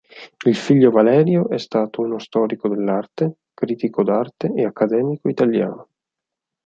Il figlio Valerio è stato uno storico dell'arte, critico d'arte e accademico italiano.